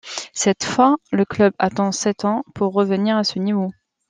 Cette fois, le club attend sept ans pour revenir à ce niveau.